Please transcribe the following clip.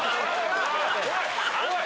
おい！